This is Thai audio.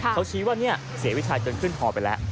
เขาชี้ว่าเสียวิชัยเกินขึ้นพอไปแล้ว